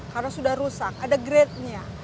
karena sudah rusak ada grade nya